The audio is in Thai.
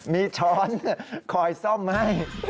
มีช้อนคอยซ่อมให้